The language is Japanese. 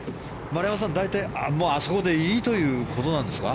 丸山さん、大体あそこでいいということなんですか？